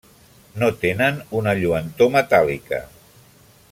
No tenen una lluentor metàl·lica.